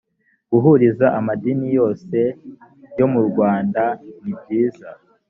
guhuriza amadini yose yo murwanda nibyiza